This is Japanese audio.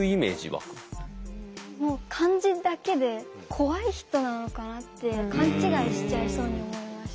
もう漢字だけで怖い人なのかなって勘違いしちゃいそうに思いました。